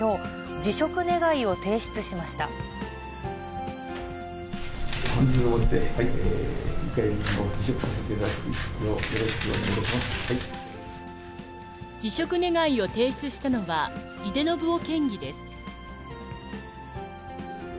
辞職願を提出したのは、井手順雄県議です。